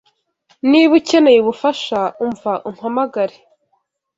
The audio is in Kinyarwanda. Niba ukeneye ubufasha, umva umpamagare.